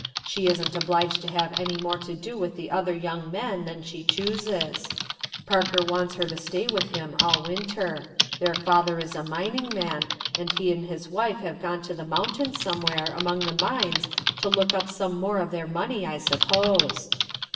She isn't obliged to have any more to do with the other young men than she chooses, Parker wants her to stay with him all winter. Their father is a mining man, and he and his wife have gone to the moun MAMIE PARKER 3a tains somewhere among the mine3 to look up gome more of their money, I suppose."